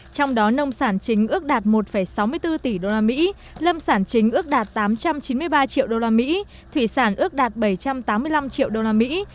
trong đó nông sản chính ước đạt một sáu mươi bốn tỷ đô la mỹ lâm sản chính ước đạt tám trăm chín mươi ba triệu đô la mỹ thủy sản ước đạt bảy trăm tám mươi năm triệu đô la mỹ